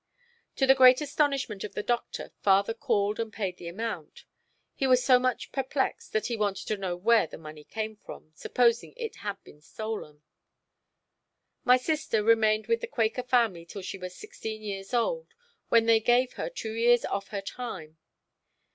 To the great astonishment of the Doctor father called and paid the amount. He was so much perplexed that he wanted to know where the money came from—supposing it had been stolen. My sister remained with the Quaker family till she was sixteen years old, when they gave her two years off her time.